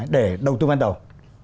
để đầu tư ban đầu